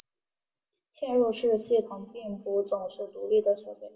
嵌入式系统并不总是独立的设备。